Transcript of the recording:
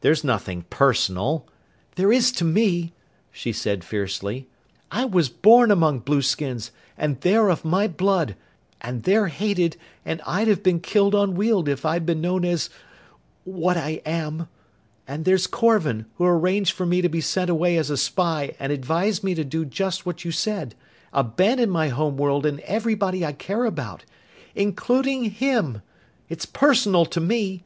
There's nothing personal " "There is to me!" she said fiercely. "I was born among blueskins, and they're of my blood, and they're hated and I'd have been killed on Weald if I'd been known as ... what I am! And there's Korvan, who arranged for me to be sent away as a spy and advised me to do just what you said: abandon my home world and everybody I care about! Including him! It's personal to me!"